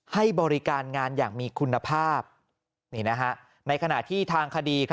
ให้บริการงานอย่างมีคุณภาพในขณะที่ทางคดี